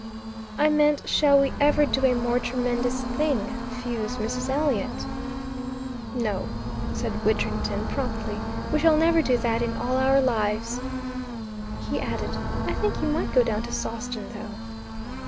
"I meant shall we ever do a more tremendous thing, fuse Mrs. Elliot." "No," said Widdrington promptly. "We shall never do that in all our lives." He added, "I think you might go down to Sawston, though."